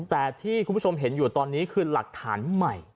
แต่ที่คุณผู้ชมเห็นอยู่ตอนนี้คือหลักฐานใหม่